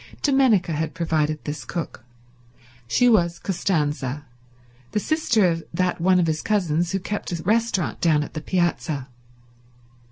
Dominica had provided this cook. She was Costanza, the sister of that one of his cousins who kept a restaurant down on the piazza.